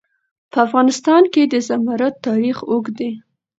په افغانستان کې د زمرد تاریخ اوږد دی.